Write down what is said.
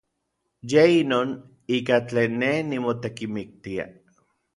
Yej inon ika tlen nej nimotekimiktia.